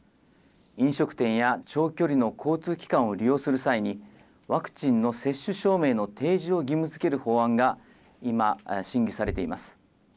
飲食店や長距離の交通機関を利用する際に、ワクチンの接種証明の提示を義務づける法案が、今、審議されています。